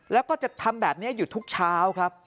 แล้วก็จะทำแบบนี้อยู่ทุกเช้าครับ